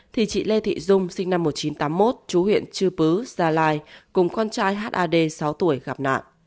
thì chị lê thị dung sinh năm một nghìn chín trăm tám mươi một chú huyện chư pứ gia lai cùng con trai had sáu tuổi gặp nạn